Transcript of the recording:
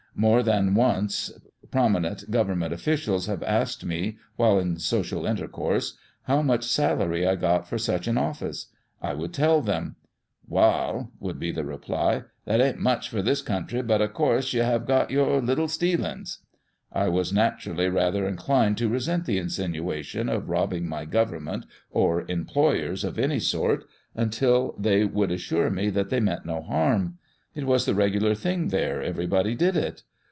More than once prominent government officials have asked me, while in social intercourse, how much salary I got for such an office. I would tell them. " Wai," would be the reply, " that ain't much for this country, but of course you have got your lillle stealings ?" I was naturally rather inclined to resent the insinuation of robbing my government or employers of any sort, until they would assure me that they meant no harm. It was the regular thing there, everybody did it.